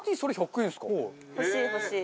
欲しい欲しい。